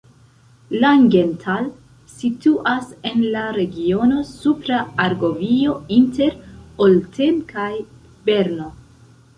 Langenthal situas en la regiono Supra Argovio inter Olten kaj Berno.